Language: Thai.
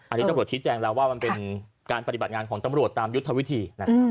อันนี้ตำรวจชี้แจงแล้วว่ามันเป็นการปฏิบัติงานของตำรวจตามยุทธวิธี